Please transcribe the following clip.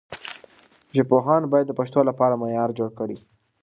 ژبپوهان باید د پښتو لپاره معیار جوړ کړي.